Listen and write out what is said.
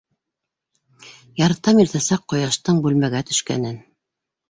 Яратам иртәнсәк ҡояштың бүлмәгә төшкәнен!..